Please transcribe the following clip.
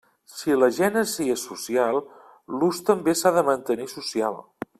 Si la gènesi és social, l'ús també s'ha de mantenir social.